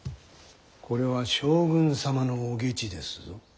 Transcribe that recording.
これは将軍様のお下知ですぞ。